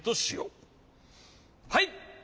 はい！